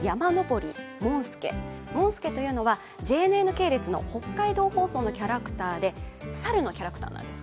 もんすけというのは、ＪＮＮ系列の北海道放送のキャラクターで猿のキャラクターなんです。